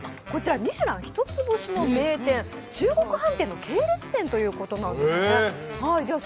こちらミシュラン一つ星の名店中国飯店の系列店ということなんですね。